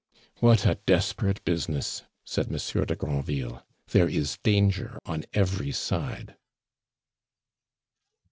"What a desperate business!" said Monsieur de Granville. "There is danger on every side."